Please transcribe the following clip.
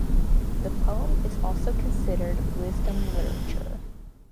The poem is also considered wisdom literature.